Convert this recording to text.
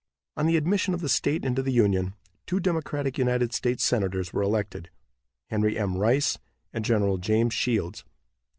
On the admission of the state into the Union, two Democratic United States senators were elected, Henry M. Rice and Gen. James Shields.